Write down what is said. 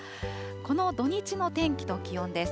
この土日の天気と気温です。